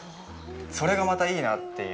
それが、またいいなっていう。